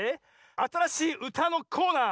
あたらしいうたのコーナー